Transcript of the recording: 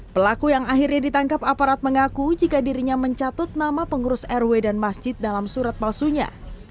pelaku yang akhirnya ditangkap aparat mengaku jika dirinya mencatut nama pengurus rw dan masjid dalam surat palsunya